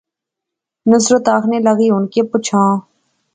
نصرت آخنے لاغی، ہن کہہ پچھاں